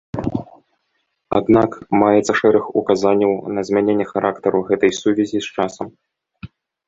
Аднак маецца шэраг указанняў на змяненне характару гэтай сувязі з часам.